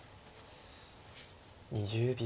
２０秒。